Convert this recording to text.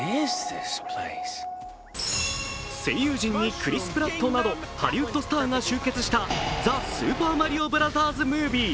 声優陣にクリス・プラットなどハリウッドスターが集結した「ザ・スーパーマリオブラザーズ・ムービー」。